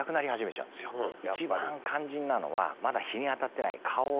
一番肝心なのはまだ日に当たってない。